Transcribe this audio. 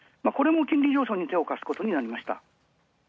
これも金利上昇を課すことになりました。